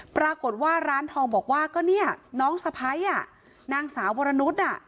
ปรากฏว่าร้านทองบอกว่าก็เนี่ยน้องสะพ้ายนางสาววรนุษย์